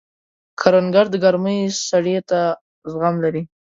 کروندګر د ګرمۍ سړې ته زغم لري